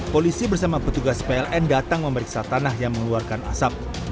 polisi bersama petugas pln datang memeriksa tanah yang mengeluarkan asap